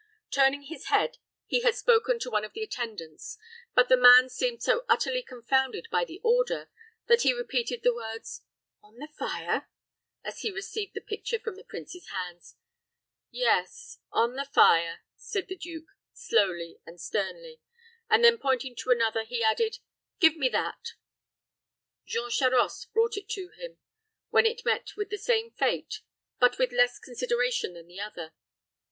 Turning his head, he had spoken to one of the attendants; but the man seemed so utterly confounded by the order, that he repeated the words, "On the fire?" as he received the picture from the prince's hands. "Yes on the fire," said the duke, slowly and sternly; and then pointing to another, he added, "Give me that." Jean Charost brought it to him, when it met with the same fate, but with less consideration than the other.